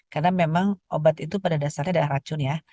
karena memang obat itu pada dasarnya adalah racun ya